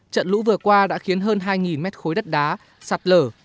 trận lũ vừa qua đã khiến hơn hai mét khối đất đá sạt lở